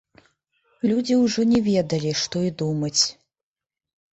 Людзі ўжо не ведалі, што і думаць.